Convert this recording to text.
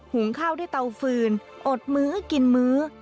งข้าวด้วยเตาฟืนอดมื้อกินมื้อ